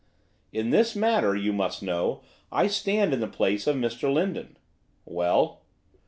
'In this matter, you must know, I stand in the place of Mr Lindon.' 'Well?